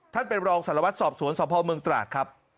ท่านเป็นรองสารวัตรสอบสวนสพเมืองตราดครับ